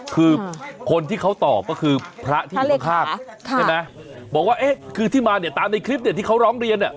คือคนที่เขาตอบก็คือพระที่อยู่ข้างใช่ไหมบอกว่าเอ๊ะคือที่มาเนี่ยตามในคลิปเนี่ยที่เขาร้องเรียนเนี่ย